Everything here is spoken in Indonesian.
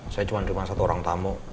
saya cuma satu orang tamu